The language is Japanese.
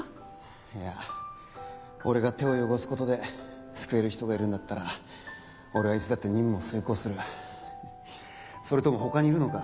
いや俺が手を汚すことで救える人がいるんだったら俺はいつだって任務を遂行するそれとも他にいるのか？